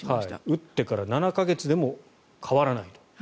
打ってから７か月でも変わらないと。